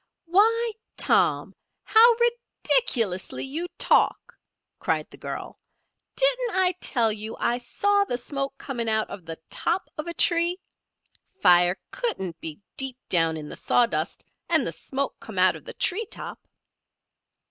"Why, Tom! How ridiculously you talk!" cried the girl. "Didn't I tell you I saw the smoke coming out of the top of a tree? Fire couldn't be deep down in the sawdust and the smoke come out of the tree top."